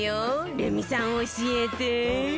レミさん教えて！